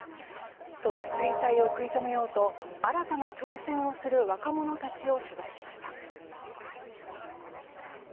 その衰退を食い止めようと新たな挑戦をする若者たちを取材しました。